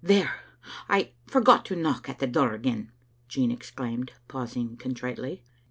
" There! I forgot to knock at the door again," Jean exclaimed, pausing contritely.